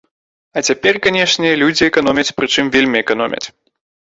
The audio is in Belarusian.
А цяпер, канешне, людзі эканомяць, прычым вельмі эканомяць.